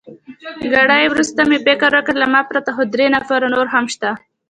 ګړی وروسته مې فکر وکړ، له ما پرته خو درې نفره نور هم شته.